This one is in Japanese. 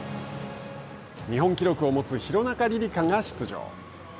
日本記録を持つ廣中璃梨佳が出場。